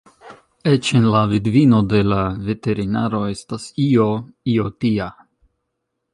Eĉ en la vidvino de la veterinaro estas io, io tia.